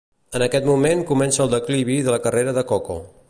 En aquest moment comença el declivi de la carrera de Coco.